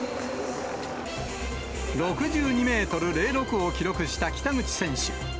６２メートル０６を記録した北口選手。